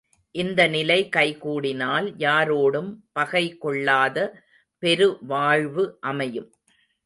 இந்த நிலை கைகூடினால் யாரோடும் பகை கொள்ளாத பெரு வாழ்வு அமையும்.